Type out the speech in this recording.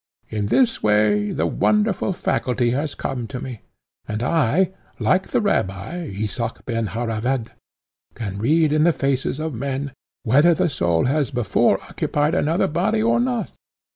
In this way the wonderful faculty has come to me, and I, like the rabbi, Isaac Ben Harravad, can read in the faces of men, whether the soul has before occupied another body or not.